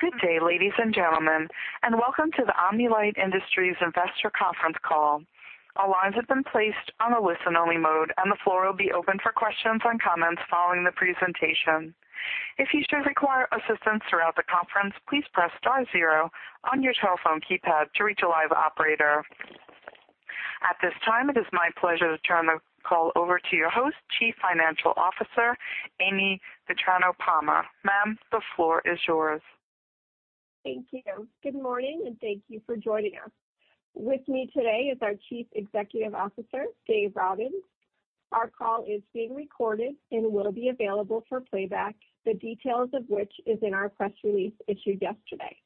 Good day, ladies and gentlemen, welcome to the Omni-Lite Industries Investor Conference Call. All lines have been placed on a listen-only mode, the floor will be open for questions and comments following the presentation. If you should require assistance throughout the conference, please press star zero on your telephone keypad to reach a live operator. At this time, it is my pleasure to turn the call over to your host, Chief Financial Officer, Amy Vetrano-Palmer. Ma'am, the floor is yours. Thank you. Good morning, and thank you for joining us. With me today is our Chief Executive Officer, Dave Robbins. Our call is being recorded, and will be available for playback, the details of which is in our press release issued yesterday.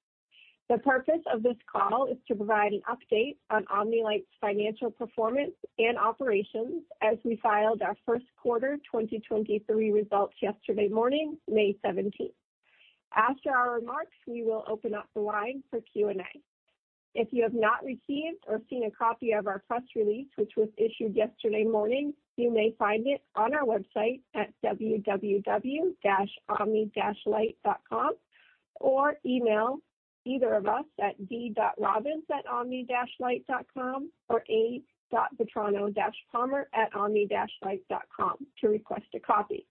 The purpose of this call is to provide an update on Omni-Lite's financial performance, and operations as we filed our first quarter 2023 results yesterday morning, May 17th. After our remarks, we will open up the line for Q&A. If you have not received, or seen a copy of our press release, which was issued yesterday morning, you may find it on our website at www-omni-lite.com or email either of us at d.robbins@omni-lite.com or a.vetrano-palmer@omni-lite.com to request a copy.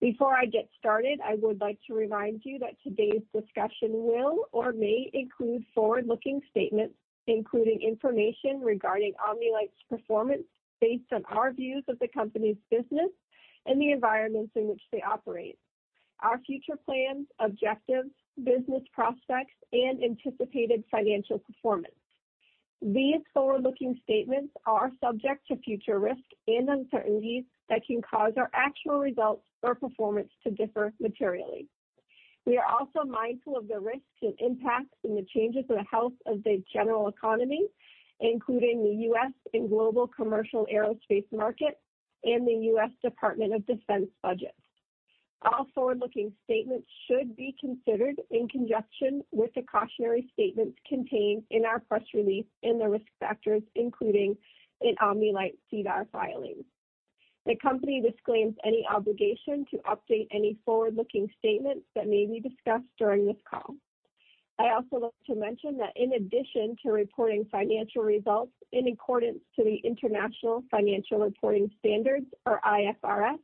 Before I get started, I would like to remind you that today's discussion will, or may include forward-looking statements, including information regarding Omni-Lite's performance based on our views of the company's business, and the environments in which they operate, our future plans, objectives, business prospects, and anticipated financial performance. These forward-looking statements are subject to future risks, and uncertainties that can cause our actual results, or performance to differ materially. We are also mindful of the risks, and impacts, and the changes in the health of the general economy, including the U.S., and global commercial aerospace market, and the U.S. Department of Defense budget. All forward-looking statements should be considered in conjunction with the cautionary statements contained in our press release, and the risk factors, including in Omni-Lite's SEDAR filings. The company disclaims any obligation to update any forward-looking statements that may be discussed during this call. I also like to mention that in addition to reporting financial results in accordance to the International Financial Reporting Standards, or IFRS,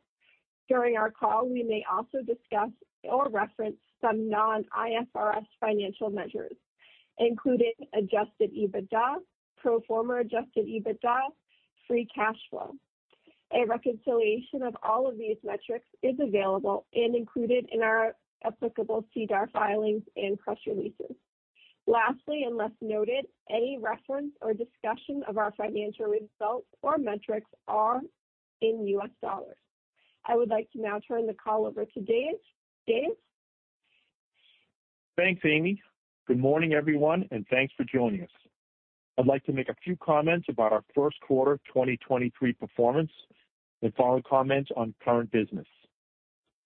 during our call, we may also discuss, or reference some non-IFRS financial measures, including adjusted EBITDA, pro forma adjusted EBITDA, free cash flow. A reconciliation of all of these metrics is available, and included in our applicable SEDAR filings, and press releases. Lastly, unless noted, any reference, or discussion of our financial results or metrics are in U.S. dollars. I would like to now turn the call over to Dave. Dave? Thanks, Amy. Good morning, everyone, and thanks for joining us. I'd like to make a few comments about our first quarter 2023 performance, and follow comments on current business.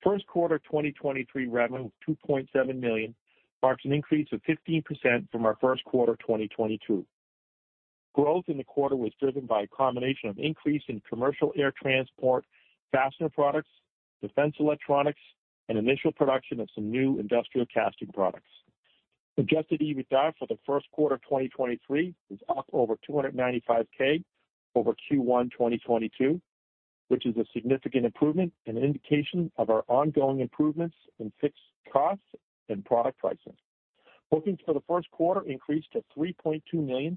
First quarter 2023 revenue of $2.7 million marks an increase of 15% from our first quarter 2022. Growth in the quarter was driven by a combination of increase in commercial air transport, fastener products, defense electronics, and initial production of some new industrial casting products. Adjusted EBITDA for the first quarter 2023 is up over $295,000 over Q1 2022, which is a significant improvement, and an indication of our ongoing improvements in fixed costs, and product pricing. Bookings for the first quarter increased to $3.2 million,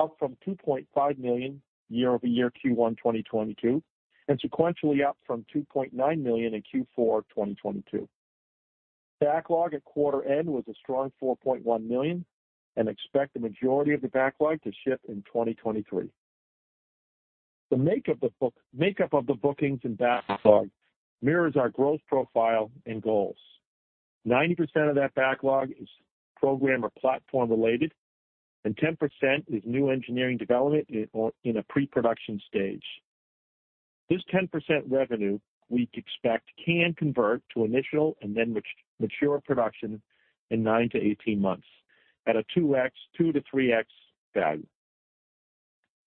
up from $2.5 million year-over-year Q1 2022, and sequentially up from $2.9 million in Q4 2022. Backlog at quarter end was a strong $4.1 million, and expect the majority of the backlog to ship in 2023. The makeup of the bookings, and backlog mirrors our growth profile and goals. 90% of that backlog is program or platform-related, and 10% is new engineering development in, or in a pre-production stage. This 10% revenue we expect can convert to initial, and then mature production in 9-18 months at a 2x-3x value.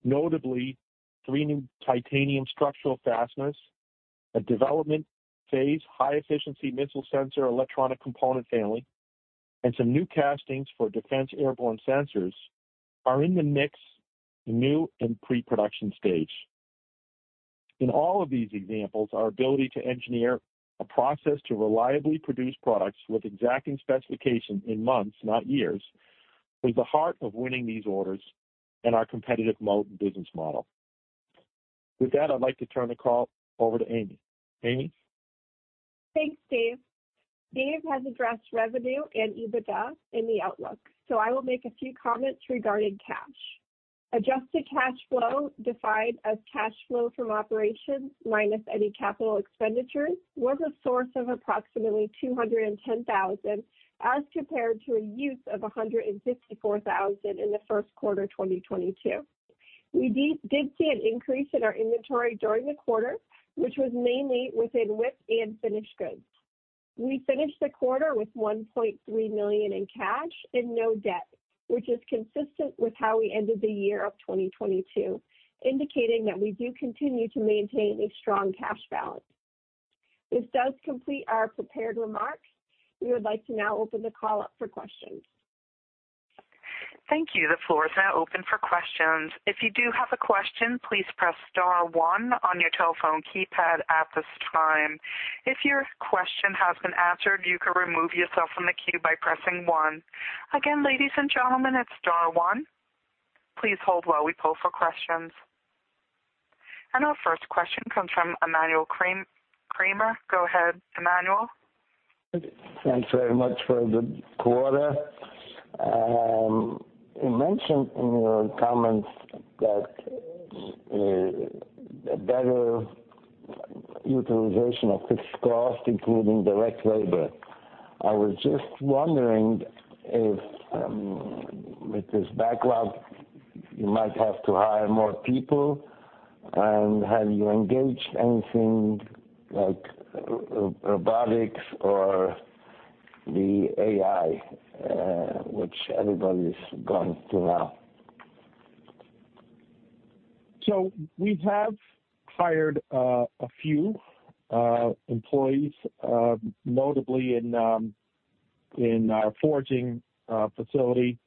Notably, three new titanium structural fasteners, a development phase high-efficiency missile sensor electronic component family, and some new castings for defense airborne sensors are in the mix, new, and pre-production stage. In all of these examples, our ability to engineer a process to reliably produce products with exacting specifications in months, not years, was the heart of winning these orders, and our competitive business model. With that, I'd like to turn the call over to Amy. Amy? Thanks, Dave. Dave has addressed revenue and EBITDA in the outlook. I will make a few comments regarding cash. Adjusted cash flow, defined as cash flow from operations minus any capital expenditures, was a source of approximately $210,000 as compared to a use of $154,000 in the first quarter 2022. We did see an increase in our inventory during the quarter, which was mainly within WIP, and finished goods. We finished the quarter with $1.3 million in cash, and no debt. Which is consistent with how we ended the year of 2022, indicating that we do continue to maintain a strong cash balance. This does complete our prepared remarks. We would like to now open the call up for questions. Thank you. The floor is now open for questions. If you do have a question, please press star one on your telephone keypad at this time. If your question has been answered, you can remove yourself from the queue by pressing one. Again, ladies and gentlemen, it's star one. Please hold while we poll for questions. Our first question comes from Emmanuel Kramer. Go ahead, Emmanuel. Thanks very much for the quarter. You mentioned in your comments that a better utilization of fixed cost, including direct labor. I was just wondering if, with this backlog you might have to hire more people, and have you engaged anything like robotics, or the AI, which everybody's gone to now? We have hired a few employees, notably in our forging facility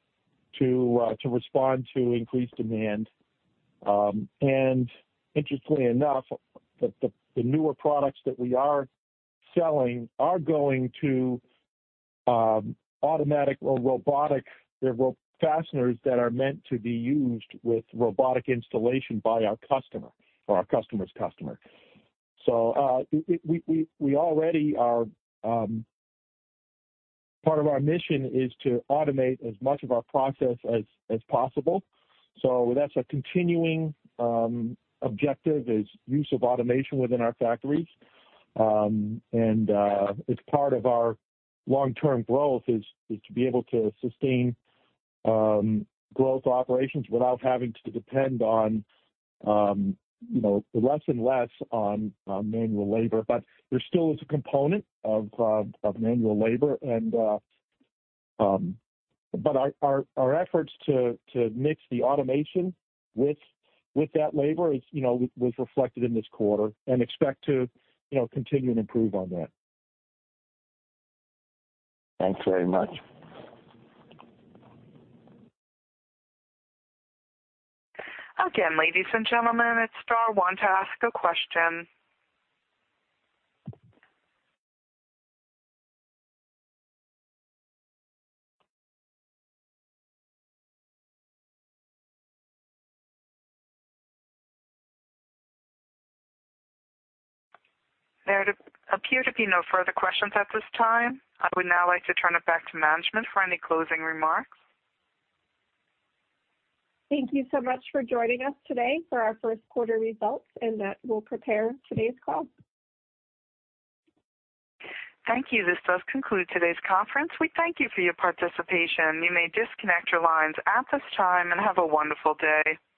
to respond to increased demand. Interestingly enough, the newer products that we are selling are going to automatic, or robotic fasteners that are meant to be used with robotic installation by our customer, or our customer's customer. We already are, part of our mission is to automate as much of our process as possible. That's a continuing objective, is use of automation within our factories. It's part of our long-term growth is to be able to sustain growth operations without having to depend on, you know, less and less on manual labor. There still is a component of manual labor, and, but our efforts to mix the automation with that labor is, you know, was reflected in this quarter, and expect to, you know, continue to improve on that. Thanks very much. Again, ladies and gentlemen, it's star one to ask a question. There appear to be no further questions at this time. I would now like to turn it back to management for any closing remarks. Thank you so much for joining us today for our first quarter results, and that will prepare today's call. Thank you. This does conclude today's conference. We thank you for your participation. You may disconnect your lines at this time, and have a wonderful day.